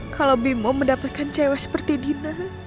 kalau bimo mendapatkan cewek seperti dina